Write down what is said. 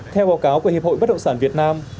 theo báo cáo của hiệp hội bất động sản việt nam